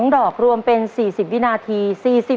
๒ดอกรวมเป็น๔๐วินาที